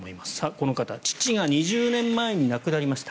この方父が２０年前に亡くなりました。